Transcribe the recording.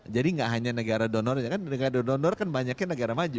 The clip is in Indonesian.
jadi gak hanya negara donor kan negara donor kan banyaknya negara maju